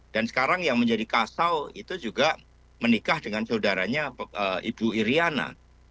dan sekarang yang menjadi kasau itu juga menikah dengan saudaranya ibu iriana